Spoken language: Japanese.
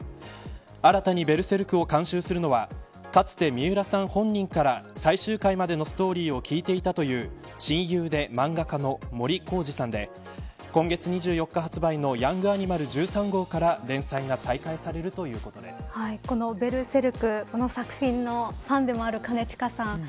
新たにベルセルクを監修するのはかつて三浦さん本人から最終回までのストーリーを聞いていたという親友で漫画家の森恒二さんで今月２４日発売のヤングアニマル１３号から連載がこのベルセルク、この作品のファンでもある兼近さん